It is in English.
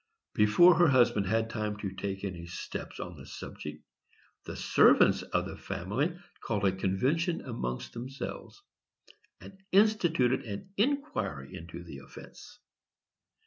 Before her husband had time to take any steps on the subject, the servants of the family called a convention among themselves, and instituted an inquiry into the offence.